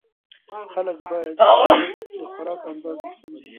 خلک باید د خوراک اندازه وسنجوي.